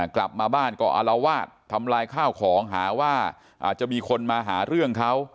กลับมาบ้านก็อารวาสทำลายข้าวของหาว่าอาจจะมีคนมาหาเรื่องเขา